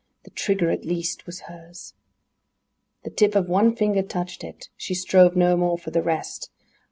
The trigger at least was hers! V The tip of one finger touched it; she strove no more for the rest!